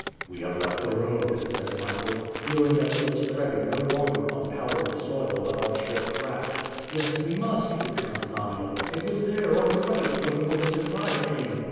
"We have left the road," said Michael, feeling that he was treading no longer on powdery soil but on short grass. "Yes, we must!" returned Nadia. "It was there, on the right, from which the cry came!"